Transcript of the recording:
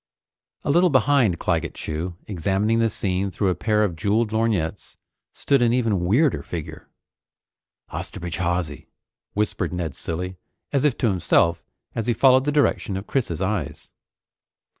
A little behind Claggett Chew, examining the scene through a pair of jeweled lorgnettes, stood an even weirder figure. "Osterbridge Hawsey," whispered Ned Cilley, as if to himself, as he followed the direction of Chris's eyes.